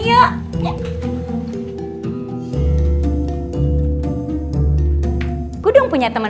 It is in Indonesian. aku udah ngelapar